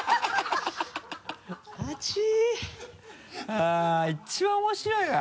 あっ一番面白いな。